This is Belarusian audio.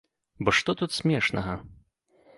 Бо што тут смешнага?